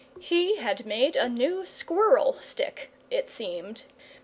He had made a new squirrel stick, it seemed.